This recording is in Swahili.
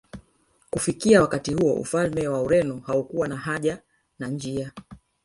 Kufikia wakati huo ufalme wa Ureno haukuwa na haja na njia